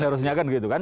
harusnya kan gitu kan